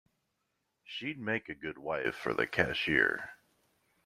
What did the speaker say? She'd make a good wife for the cashier.